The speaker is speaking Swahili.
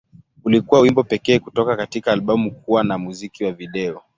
Ulikuwa wimbo pekee kutoka katika albamu kuwa na na muziki wa video.